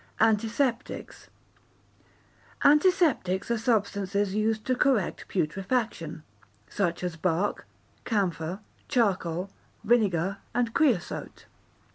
Antiseptics Antiseptics are substances used to correct putrefaction, such as bark, camphor, charcoal, vinegar, and creosote.